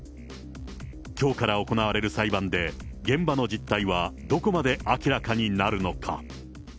きょうから行われる裁判で、現場の実態はどこまで明らかになるのか。